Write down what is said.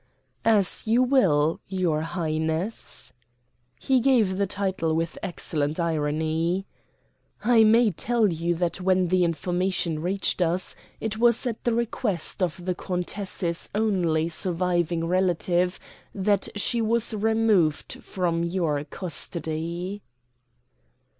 "As you will, your Highness." He gave the title with excellent irony. "I may tell you that when the information reached us it was at the request of the countess's only surviving relative that she was removed from your custody."